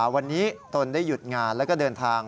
วันนี้ตนได้หยุดงานแล้วก็เดินทาง